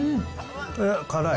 辛い。